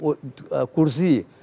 kalau tidak dikatakan kekuasaan atau kursi